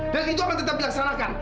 dan itu akan tetap dilaksanakan